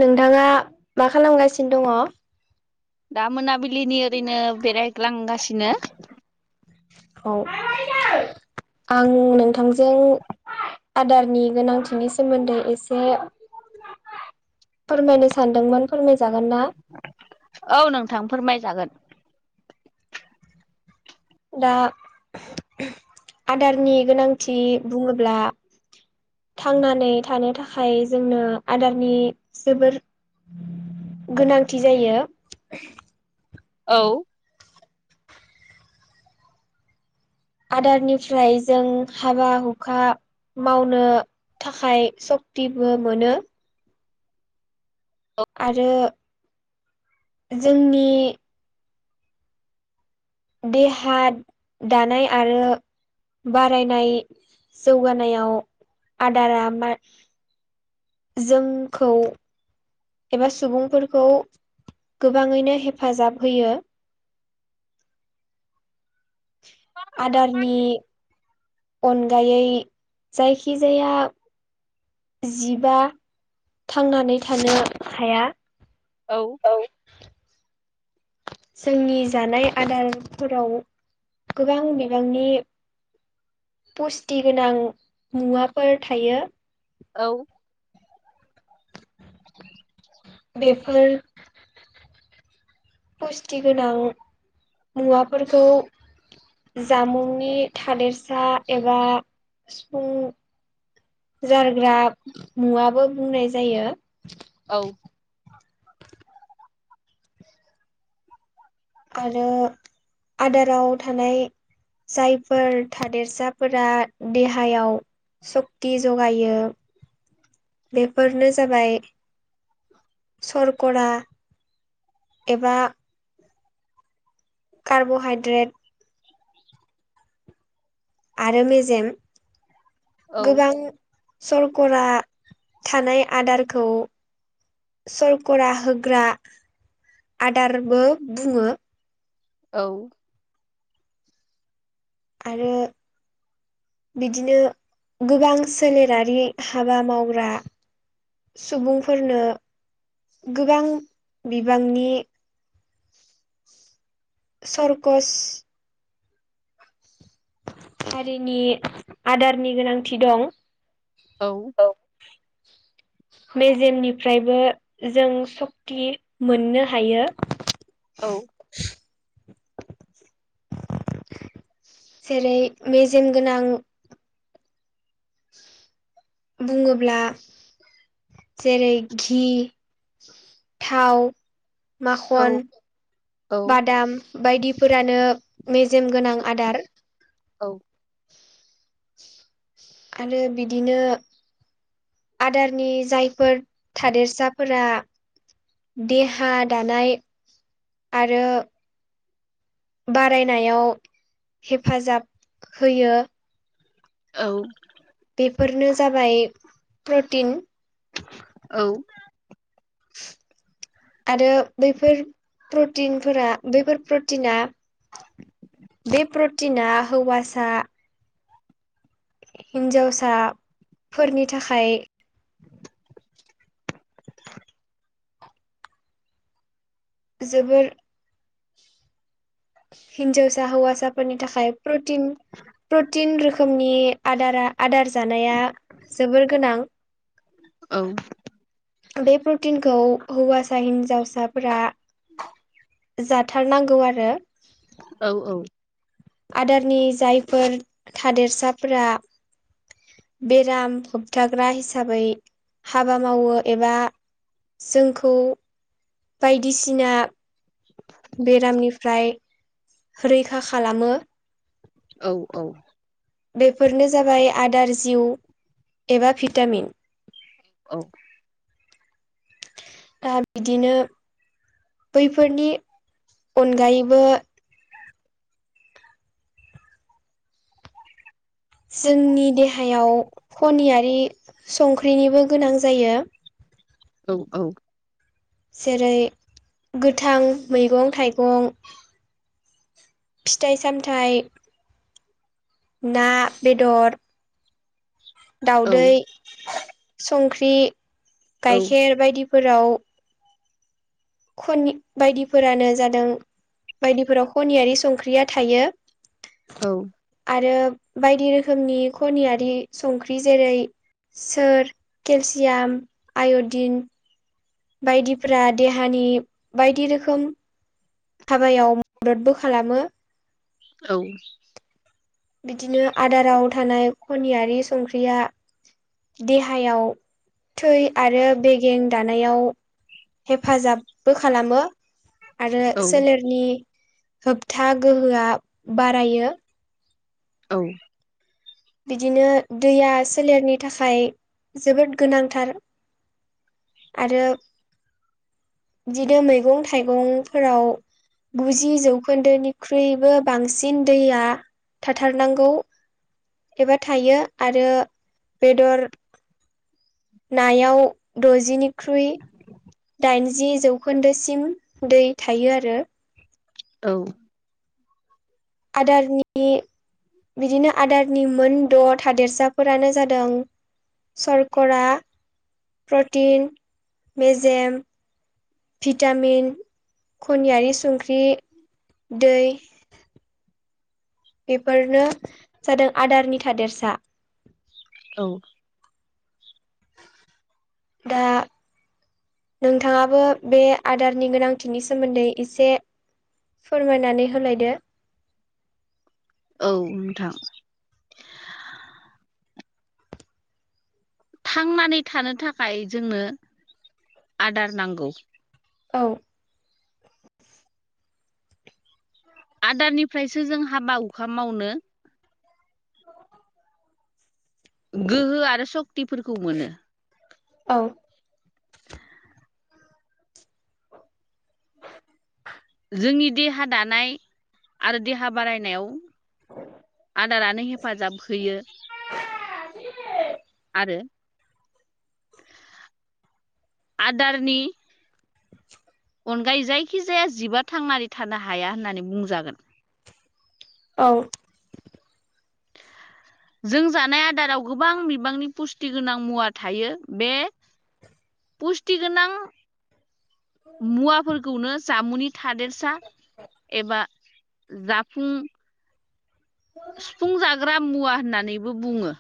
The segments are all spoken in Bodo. नोंथाङा मा खालामगासिनो दङ दा मोनाबिलिनि ओरैनो बेरायग्लांगासिनो औ आं नोंथांजों आदारनि गोनांथिनि सोमोन्दै एसे फोरमायनो सानदोंमोन फोरमायजागोन ना औ नोंथां फोरमायजागोन दा आदारनि गोनांथि बुङोब्ला थांनानै थानो थाखाय जोंनो आदारनि जोबोर गोनांथि जायो औ आदारनिफ्राय जों हाबा हुखा मावनो थाखाय सक्तिबो मोनो आरो जोंनि देहा दानाय आरो बारायनाय जौगानायाव आदारा मा जोंखौ एबा सुबुंफोरखौ गोबाङैनो हेफाजाब होयो आदारनि अनगायै जायखिजाया जिबा थांनानै थानो हाया औ जोंनि जानाय आदारफोराव गोबां बिबांनि पुस्टि गोनां मुवाफोर थायो औ बेफोर खस्त गोनां मुवाफोरखौ जामुंनि थादेरसा एबा सिफुं जारग्रा मुवाबबो बुंनाय जायो औ आरो आदाराव थानाय जायफोर थादेरसाफोरा देहायाव सक्ति जौग लगायो बेफोरनो जाबाय सरका एबा कार्ब'हाइड्रेट आरो मेजेम औ गोबां सरका थानाय आदारखौ सरका होग्रा आदारबो बुङो औ आरो बिदिनो गोबां सोलेरारि हाबा मावग्रा सुबुंफोरनो गोबां बिबांनि सरकस हारिनि आदारनि गोनांथि दं औ औ मेजेमनिफ्रायबो जों सक्ति मोननो हायो औ जेरै मेजेम गोनां बुङोब्ला जेरै ि थाव औ माखन औ बादाम बायदिफोरानो मेजेम गोनां आदार औ आरो बिदिनो आदारनि जायफोर थादेरसाफोरा देहा दानाय आरो बारायनायाव हेफाजाब होयो औ बेफोरनो जाबाय प्रटिन औ [inaudible] आरो बैफोर प्रटिनफोरा बैफोर प्रटिना बे प्रटिना हौवासा हिन्जावसाफोरनि थाखाय [inaudible] जोबोर हिनजावसा हसाफोरनि थाखाय प्रो रोखोमनि आदारा आदार जानाया जोबोर गोनां औ बे प्रटिनखौ हौवासा हिन्जावसाफोरा उम जाथारनांगौ आरो औ औ आदारनि जायफोर थादेरसाफोरा बेराम होबथाग्रा हिसाबै हाबा मावो एबा जोंखौ बायदिसिना [inaudible] बेरामनिफ्राय रैखा खालामो औ औ बेफोरनो जाबाय आदार जिउ एबा भिटामिन औ दा बिदिनो बैफोरनि अनगायैबो जोंनि देहायाव खनियारि संख्रिनिबो गोनां जायो औ औ जेरै गोथां मैगं थाइगं फिथाइ सामथाइ ना, बेदर दाउदै, संख्रि, गाइखेर बायदिफोराव खनि बायदिफोरानो जादों बायदिफोराव खनियारि संख्रिया थायो। औ आरो बायदि रोखोमनि खनियारि संख्रि जेरै सोर, केलसियाम, आय'दिन बायदिफ्रा देहानि बायदि रोखोम हाबायाव मददबो खालामो औ बिदिनो आदाराव थानाय खनियारि संख्रिया देहायाव थै आरो बेगें दानायाव हेफाजाबबो खालामो आरो सोलेरनि होबथा गोहोआ बारायो औ बिदिनो दैया सोलेरनि थाखाय जोबोद गोनांथार आरो बिनो मैगं थाइगंफोराव गुजि जौखोन्दोनिख्रुइबो बांसिन दैया थाथारनांगौ एबा थायो आरो बेदर नायाव द'जिनिख्रुइ दाइनजि जौखोन्दोसिम दै थायो आरो औ आदारनि बिदिनो आदारनि मोन द' थादेरसाफोरानो जादों सरकरा प्रटिन मेजेम भिटामिन खनियारि संख्रि दै बेफोरनो जादों आदारनि थादेरसा औ दा नोंथाङाबो बे आदारनि गोनांथिनि सोमोन्दै एसे फोरमायनानै होलायदो औ नोंथां थांनानै थानो थाखाय जोंनो आदार नांगौ औ आदारनिफ्रायसो जों हाबा हुखा मावनो गोहो आरो सशक्तिफोरखौ मोनो औ जोंनि देहा दानाय आरो देहा बारायनायाव आदारानो हेफाजाब होयो। [unintelligible] आरो आदारनि अनगायै जायखिजाया जिबा थांनानै थानो हाया होननानै बुंजागोन औ जों जानाय आदाराव गोबां बिबांनि पुस्टि गोनां मुवा थायो बे पुस्टि गोनां मुवाफोरखौनो जामुनि थादेरसा एबा जाफुं सुफुं जाग्रा मुवा होननानैबो बुङो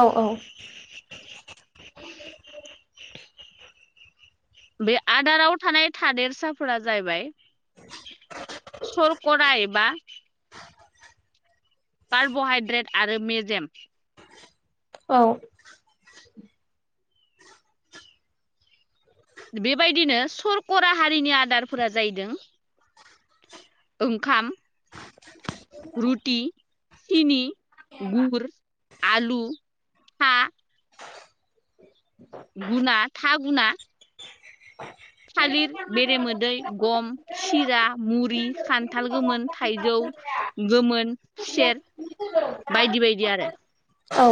औ औ बे आदाराव थानाय थादेरसाफोरा जाहैबाय सरकरा एबा कार्बहाइड्रेट आरो मेजेम औ बेबायदिनो सरकरा हारिनि आदारफोरा जाहैदों ओंखाम रुटि सिनि गुर आलु था गुना था गुना [unintelligible] थालिर बेरेमोदै गम सिरा मुरि खान्थाल गोमोन थाइजौ गोमोन खुसेर बायदि बायदि आरो औ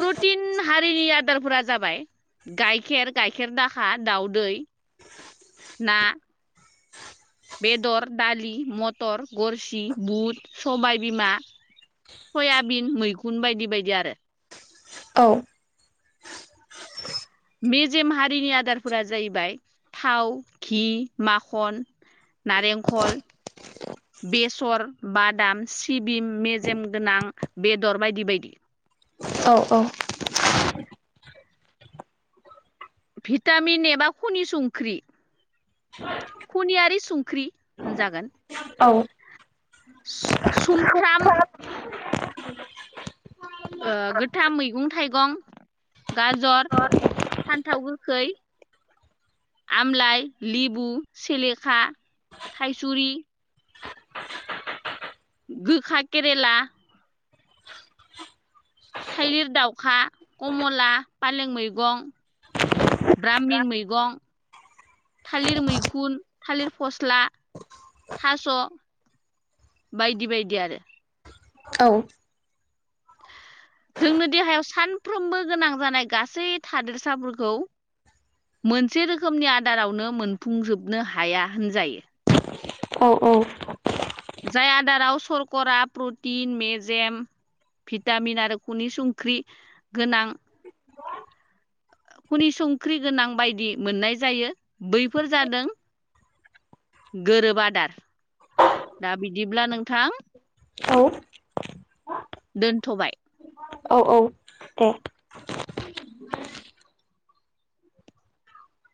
प्रटिन हारिनि आदारफोरा जाबाय गाइखेर गाइखेर दाखा दाउदै ना बेदर दालि मटर गरसि बुट सबायबिमा सयाबिन मैगुन बायदि बायदि आरो औ मेजेम हारिनि आदारफोरा जाहैबाय थाव घि माखन नारेंखल बेसर बादाम सिबिं मेजेम गोनां बेदर बायदि बायदि औ औ भिटामिन एबा खनि संख्रि खुनियारि संख्रि होनजागोन औ सु सुमफ्राम ओ गोथां मैगं थाइगं गाजर फान्थाव गोखै आमलाइ लेबु सेलेखा थाइसुरि गोखा केरेला थाइलिर दाउखा कमला फालें मैगं ब्रामिन मैगं थालिर मैखुन थालिर फस्ला थास' बायदि बायदि आरो औ जोंनो देहायाव सानफ्रोमबो गोनां जानाय गासै थादेरसाफोरखौ मोनसे रोखोमनि आदारावनो मोनफुंजोबनो हाया होनजायो औ औ जाय आदाराव सरकारा प्रटिन मेजेम भिटामिन आरो खुनि संख्रि गोनां खुनि संख्रि गोनां बायदि मोननाय जायो बैफोर जादों गोरोब आदार दा बिदिब्ला नोंथां औ दोनथ'बाय औ औ दे